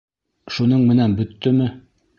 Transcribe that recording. Шуның менән бөттөмө?